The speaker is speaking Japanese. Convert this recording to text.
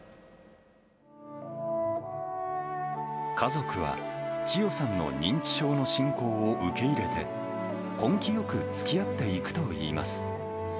家族はチヨさんの認知症の進行を受け入れて、根気よくつきあっていくといいます。